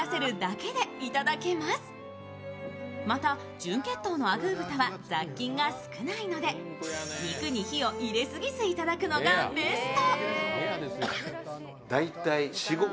純血統のアグー豚は雑菌が少ないので肉に火を入れすぎずいただくのがベスト。